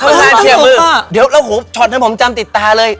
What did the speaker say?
ท่านบไทน์เขียร์มือเดี๋ยวเดี๋ยวชอตเยอะผมจำติดตาเลย